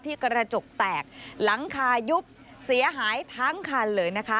กระจกแตกหลังคายุบเสียหายทั้งคันเลยนะคะ